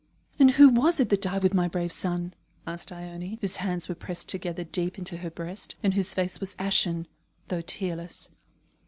"And who was it that died with my brave son?" asked Ione, whose hands were pressed together deep into her breast, and whose face was ashen, though tearless.